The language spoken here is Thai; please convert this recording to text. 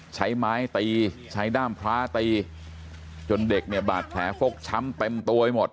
ใช้ไม้ตีใช้ด้ามพระตีจนเด็กเนี่ยบาดแผลฟกช้ำเต็มตัวไปหมด